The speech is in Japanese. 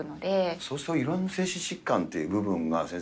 そうするといろんな精神疾患っていう部分が先生